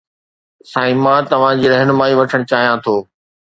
سائين، مان توهان جي رهنمائي وٺڻ چاهيان ٿو